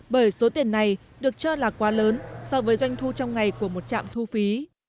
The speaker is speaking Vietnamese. bởi số tiền này được cho là quá lớn so với doanh thu trong ngày của một trạm thu phí